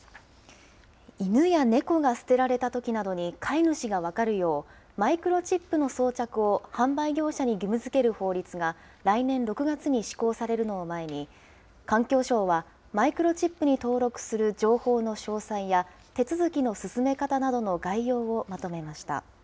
犬や猫が捨てられたときなどに飼い主が分かるよう、マイクロチップの装着を販売業者に義務づける法律が来年６月に施行されるのを前に、環境省は、マイクロチップに登録する情報の詳細や、手続きの進め方などの概要をまとめました。